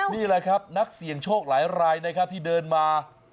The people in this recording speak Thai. นี่แหละครับนักเสี่ยงโชคหลายรายนะครับที่เดินมา